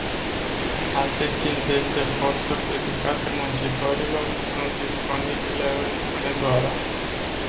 Alte cincizeci de posturi dedicate muncitorilor sunt disponibile în Hunedoara.